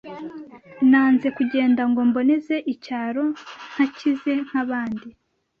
Nanze kugenda ngo mboneze icyaro ntakize nk'abandi